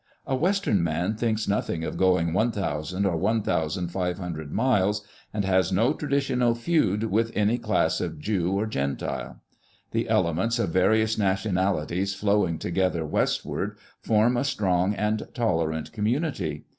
A Western man thinks nothing of going one thousand or one thousand five hun dred miles, and has no traditi6nal feud with any class of Jew or Gentile. The elements of va rious nationalities flowing together Westward form a strong and tolerant community.